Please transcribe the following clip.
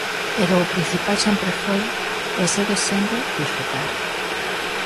Pero o principal sempre foi, e segue sendo, desfrutar.